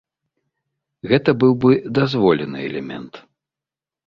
Гэта быў бы дазволены элемент.